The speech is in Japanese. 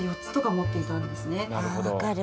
あ分かる。